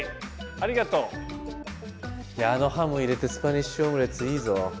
あのハム入れてスパニッシュオムレツいいぞ！